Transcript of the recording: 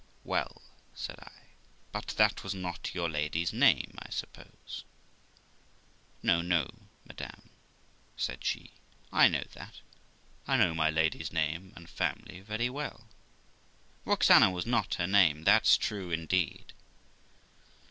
'Well', said I, 'but that was not your lady's name, I suppose?' 'No, no, madam', said she, 'I know that. I know my lady's name and family very well; Roxana was not her name, that's true, indeed.'